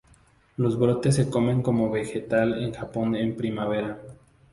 Los brotes se comen como vegetal en Japón en primavera.